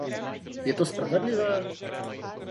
Je to spravedlivé?